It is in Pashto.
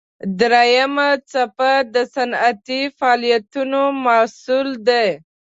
دریمه څپه د صنعتي فعالیتونو محصول دی.